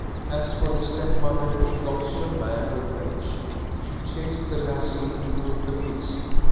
As for the stepmother, she got so mad with rage, she chased the lassie into the pigsty.